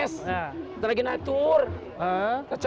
saya baik baik aja